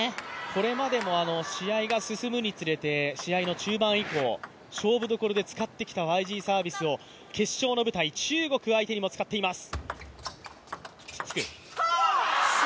これまでも試合が進むにつれて試合の中盤以降、勝負どころで使ってきたＹＧサービスを決勝の舞台、中国相手にも使っています。